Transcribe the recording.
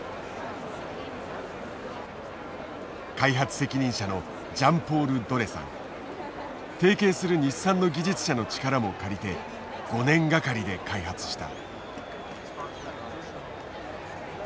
開発責任者の提携する日産の技術者の力も借りて５年がかりで開発した。